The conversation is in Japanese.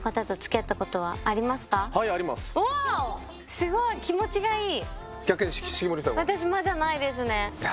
すごい気持ちがいい。